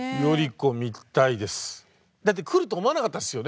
だって来ると思わなかったですよね